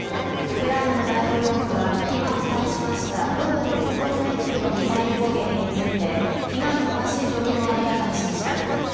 ウクライナの大統領府は今お伝えしました東部の鉄道の駅へのミサイル攻撃について被害の詳しい状況を明らかにしました。